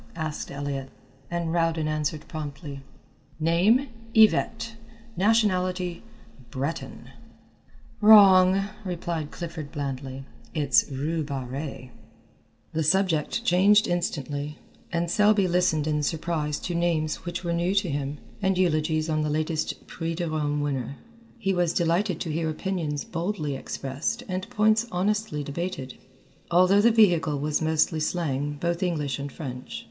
asked Elliott, and Rowden answered promptly, "Name, Yvette; nationality, Breton " "Wrong," replied Clifford blandly, "it's Rue Barrée." The subject changed instantly, and Selby listened in surprise to names which were new to him, and eulogies on the latest Prix de Rome winner. He was delighted to hear opinions boldly expressed and points honestly debated, although the vehicle was mostly slang, both English and French.